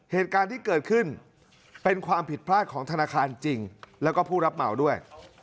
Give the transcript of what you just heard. เหตุการณ์ที่เกิดขึ้นเป็นความผิดพลาดของธนาคารจริงแล้วก็ผู้รับเหมาด้วย